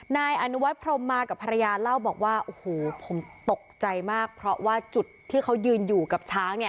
นายอนุวัฒนพรมมากับภรรยาเล่าบอกว่าโอ้โหผมตกใจมากเพราะว่าจุดที่เขายืนอยู่กับช้างเนี่ย